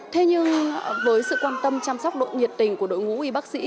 thế nhưng với sự quan tâm chăm sóc độ nhiệt tình của đội ngũ y bác sĩ